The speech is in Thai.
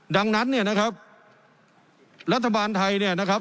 ดังนั้นเนี่ยนะครับรัฐบาลไทยเนี่ยนะครับ